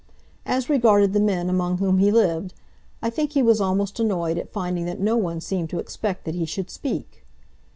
As regarded the men among whom he lived, I think he was almost annoyed at finding that no one seemed to expect that he should speak.